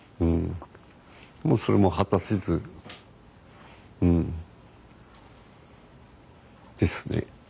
もうそれも果たせずですね。